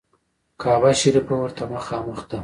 کعبه شریفه ورته مخامخ ده.